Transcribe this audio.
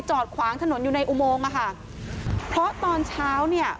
จอดขวางถนนอยู่ในอุโมงอ่ะค่ะเพราะตอนเช้าเนี่ย